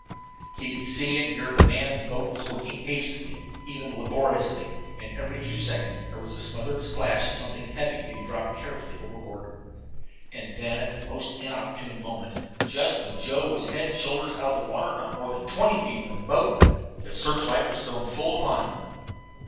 He could see and hear that the man in the boat was working hastily, even laboriously; and every few seconds there was the smothered splash of something heavy being dropped carefully overboard. And then, at the most inopportune moment, just when Joe was head and shoulders out of the water, not more than twenty feet away from the boat, the searchlight was thrown full upon him.